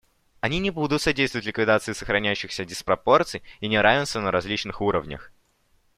Они не будут содействовать ликвидации сохраняющихся диспропорций и неравенства на различных уровнях.